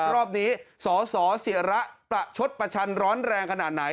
รอบนี้สสเสียระประชดประชันร้อนแรงขนาดไหน